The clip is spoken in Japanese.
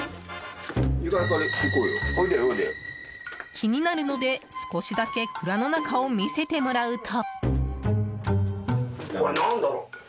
気になるので、少しだけ蔵の中を見せてもらうと。